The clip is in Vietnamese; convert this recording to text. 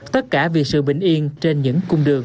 tất cả vì sự bình yên trên những cung đường